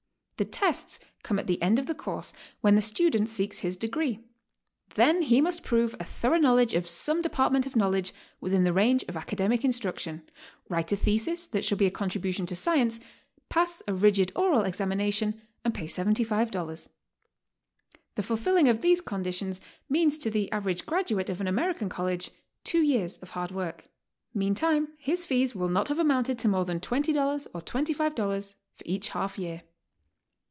The tests come at the end of the course, when the student seeks his degree. Then he must prove a thorough knowledge 'of some depart ment of knowledge within the range of academic instruction, write a thesis that shall be a contribution to science, pass a rigid oral examination, and pay $75. The fulfilling of these conditions means to the average graduate of an American college two years of hard work. Meantime his fees will not have amounted to more than $20 or $25 for each half year.